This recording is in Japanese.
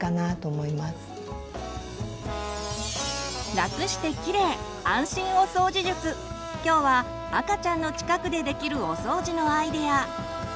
教えてくれるのは今日は「赤ちゃんの近くでできるお掃除」のアイデア。